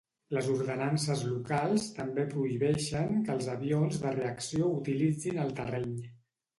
Les ordenances locals també prohibeixen que els avions de reacció utilitzin el terreny.